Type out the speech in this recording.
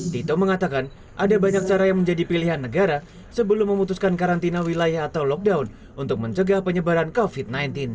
tito mengatakan ada banyak cara yang menjadi pilihan negara sebelum memutuskan karantina wilayah atau lockdown untuk mencegah penyebaran covid sembilan belas